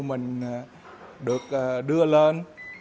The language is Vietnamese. mình được đưa lên